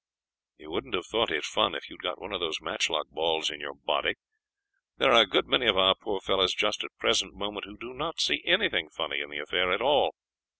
"You wouldn't have thought it fun if you had got one of those matchlock balls in your body. There are a good many of our poor fellows just at the present moment who do not see anything funny in the affair at all.